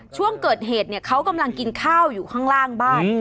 ช่วงเกิดเหตุเนี่ยเขากำลังกินข้าวอยู่ข้างล่างบ้าน